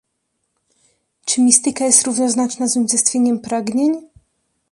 "Czy mistyka jest równoznaczna z unicestwieniem pragnień?"